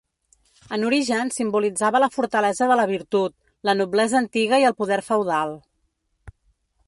En origen simbolitzava la fortalesa de la virtut, la noblesa antiga i el poder feudal.